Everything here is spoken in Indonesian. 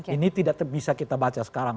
ini tidak bisa kita baca sekarang